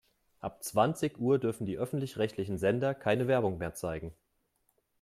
Ab zwanzig Uhr dürfen die öffentlich-rechtlichen Sender keine Werbung mehr zeigen.